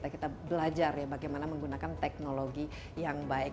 kita belajar ya bagaimana menggunakan teknologi yang baik